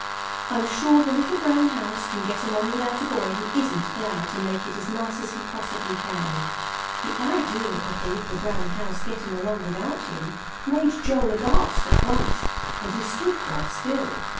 I'm sure the little brown house can get along without a boy who isn't glad to make it as nice as he possibly can." The idea of the little brown house getting along without him made Joel aghast at once, and he stood quite still.